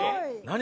何？